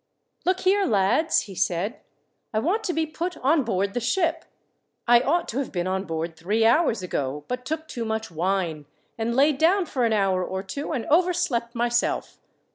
"Look here, lads," he said. "I want to be put on board the ship. I ought to have been on board three hours ago, but took too much wine, and lay down for an hour or two and overslept myself.